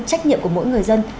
trách nhiệm của mỗi người dân